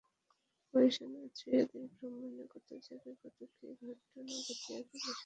পয়সা না ছুঁইয়া দেশভ্রমণে কত জায়গায় কত কি ঘটনা ঘটিয়াছে, সে-সব বলিতে লাগিলেন।